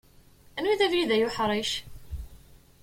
Anwa i d abrid ay uḥric?